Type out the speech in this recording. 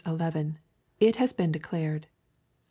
It has been declared.